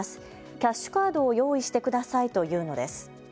キャッシュカードを用意してくださいというのです。